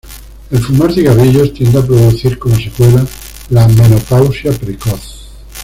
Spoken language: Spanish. El fumar cigarrillos tiende a producir como secuela, la menopausia precoz.